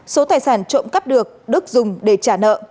số tài sản trộm cắp được đức dùng để trả nợ